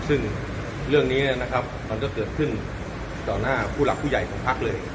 ซึ่งเรื่องนี้นะครับมันก็เกิดขึ้นต่อหน้าผู้หลักผู้ใหญ่ของพักเลย